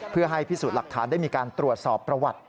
เพื่อให้พิสูจน์หลักฐานได้มีการตรวจสอบประวัติ